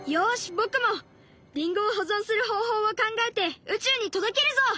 僕もりんごを保存する方法を考えて宇宙に届けるぞ！